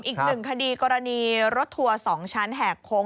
อีกหนึ่งคดีกรณีรถทัวร์๒ชั้นแหกโค้ง